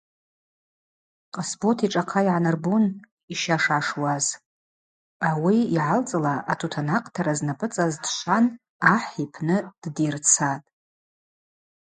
Къасбот йшӏахъа йгӏанарбун йща шгӏашуаз, ауи йгӏалцӏла атутанакътара знапӏыцӏаз дшван ахӏ йпны дыдйыррцатӏ.